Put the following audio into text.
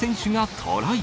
トライ！